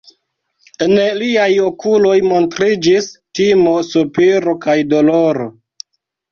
En liaj okuloj montriĝis timo, sopiro kaj doloro.